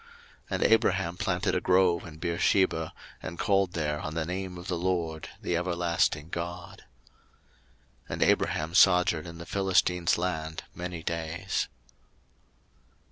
01:021:033 And Abraham planted a grove in Beersheba, and called there on the name of the LORD, the everlasting God. 01:021:034 And Abraham sojourned in the Philistines' land many days.